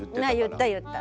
言った言った。